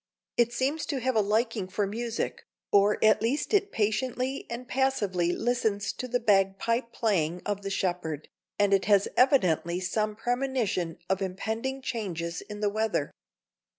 It seems to have a liking for music, or at least it patiently and passively listens to the bagpipe playing of the shepherd, and it has evidently some premonition of impending changes in the weather.